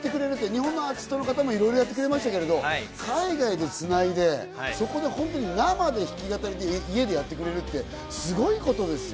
日本のアーティストの方もいろいろやってくれましたけど、海外へ繋いで、そこで本当に生で弾き語りで家でやってくれるってすごいことですよ。